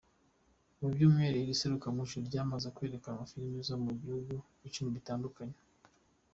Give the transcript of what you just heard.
Mu cyumweru iri serukiramuco ryamaze herekanwe filime zo mu bihugu icumi bitandukanye.